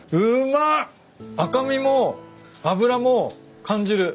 赤身も脂も感じる。